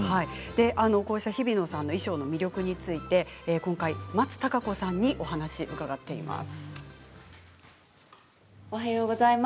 ひびのさんの衣装の魅力について今回、松たか子さんにお話を伺っています。